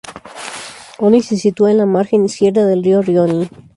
Oni se sitúa en la margen izquierda del río Rioni.